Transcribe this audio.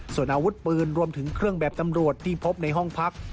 ส่วนอาวุธปืนรวมถึงเครื่องแบบตำรวจที่พบในห้องพัก